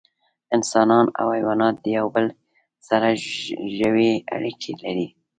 انسانان او حیوانات د یو بل سره ژوی اړیکې لري